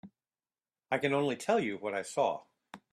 I can only tell you what I saw.